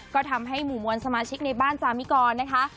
ก็ทำให้หมู่มวลสมาชิกในบ้านจามิกรนะคะ